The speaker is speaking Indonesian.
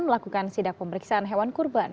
melakukan sidak pemeriksaan hewan kurban